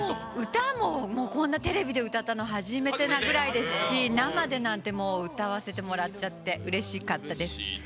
歌も、テレビで歌ったの初めてぐらいですし生でなんてもう歌わせてもらっちゃって、うれしかったです。